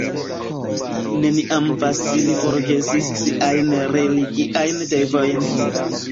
Neniam Vasili forgesis siajn religiajn devojn.